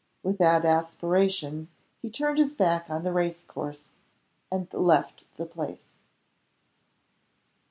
With that aspiration, he turned his back on the race course, and left the place.